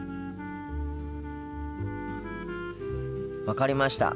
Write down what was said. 分かりました。